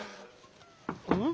うん？